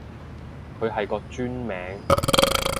佢係個專名